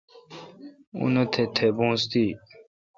اونتھ تہ بوس تی۔